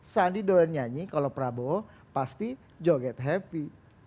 sandi doyan nyanyi kalau prabowo pasti joget happy